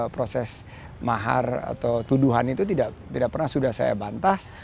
proses mahar atau tuduhan itu tidak pernah sudah saya bantah